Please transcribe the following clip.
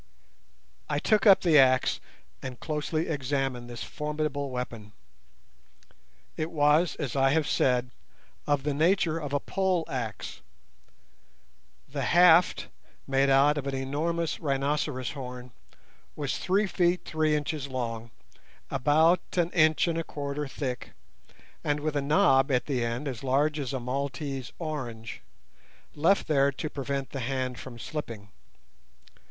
I took up the axe and closely examined this formidable weapon. It was, as I have said, of the nature of a pole axe. The haft, made out of an enormous rhinoceros horn, was three feet three inches long, about an inch and a quarter thick, and with a knob at the end as large as a Maltese orange, left there to prevent the hand from slipping.